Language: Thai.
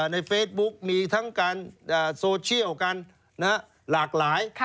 ในเฟซบุ๊กมีทั้งการโซเชียลกันหลากหลาย